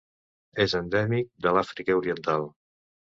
És endèmic de l'Àfrica Oriental.